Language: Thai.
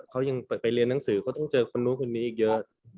เขายังไปเรียนหนังสือเขาต้องเจอคนนู้นคนนี้อีกเยอะ